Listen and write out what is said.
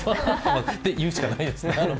って言うしかないですね。